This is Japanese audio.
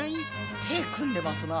手組んでますな。